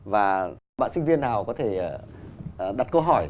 và bạn sinh viên nào có thể đặt câu hỏi